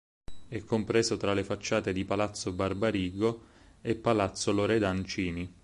È compreso tra le facciate di Palazzo Barbarigo e Palazzo Loredan Cini.